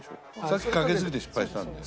さっきかけすぎて失敗したんで。